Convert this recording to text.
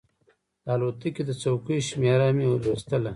د الوتکې د څوکیو شمېره مې لوستله.